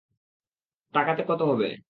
টাকাতে কত হবে?